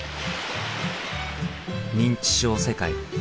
「認知症世界」。